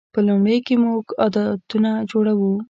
په لومړیو کې موږ عادتونه جوړوو.